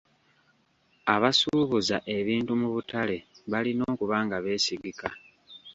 Abasuubuza ebintu mu butale balina okuba nga beesigika.